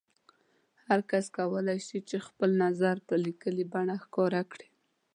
هر کس کولای شي چې خپل نظر په لیکلي بڼه ښکاره کړي.